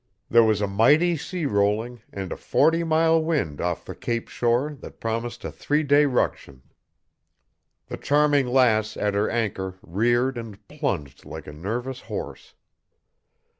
There was a mighty sea rolling and a forty mile wind off the Cape shore that promised a three day ruction. The Charming Lass at her anchor reared and plunged like a nervous horse.